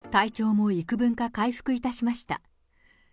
体調もいくぶんか回復いたしました。